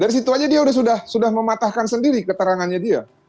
dari situ aja dia sudah mematahkan sendiri keterangannya dia